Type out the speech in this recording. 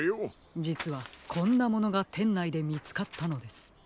じつはこんなものがてんないでみつかったのです。